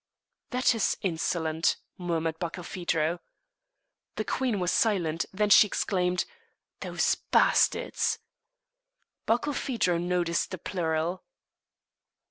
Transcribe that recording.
"That is insolent," murmured Barkilphedro. The queen was silent; then she exclaimed, "Those bastards!" Barkilphedro noticed the plural.